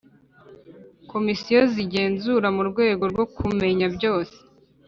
Komisiyo z igenzura mu rwego rwo kumenya byose